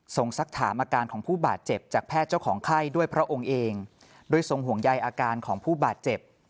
สักถามอาการของผู้บาดเจ็บจากแพทย์เจ้าของไข้ด้วยพระองค์เองโดยทรงห่วงใยอาการของผู้บาดเจ็บ